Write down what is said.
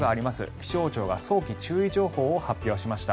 気象庁が早期注意情報を発表しました。